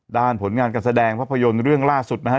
ผลงานการแสดงภาพยนตร์เรื่องล่าสุดนะฮะ